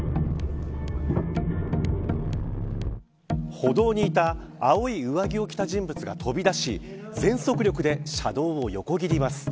歩道いた青い上着を着た人物が飛び出し全速力で車道を横切ります。